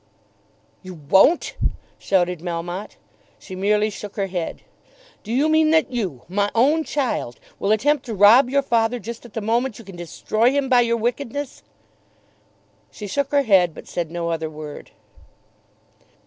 "You won't!" shouted Melmotte. She merely shook her head. "Do you mean that you, my own child, will attempt to rob your father just at the moment you can destroy him by your wickedness?" She shook her head but said no other word.